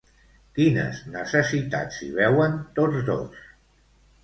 Quines necessitats hi veuen tots dos?